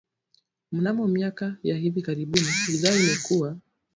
Mnamo miaka ya hivi karibuni idhaa imekua